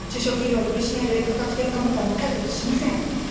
中小企業を苦しめる価格転嫁問題も解決しません。